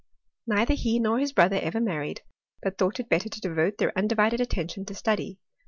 Neither he nor his brother ever married, but thought it better to devote their undivided attention to study.